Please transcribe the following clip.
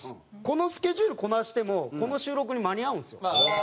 このスケジュールこなしてもこの収録に間に合うんですよ。